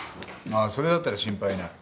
ああそれだったら心配ない。